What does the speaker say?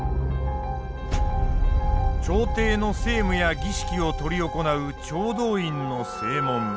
朝廷の政務や儀式を執り行う朝堂院の正門。